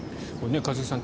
一茂さん